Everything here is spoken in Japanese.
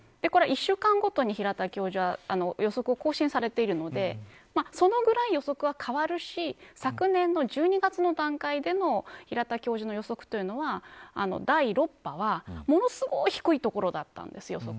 １週間ごとに平田教授は予測を更新されているのでそのぐらい予測は変わるし昨年の１２月の段階での平田教授の予測というのは第６波は、ものすごい低いところだったんです。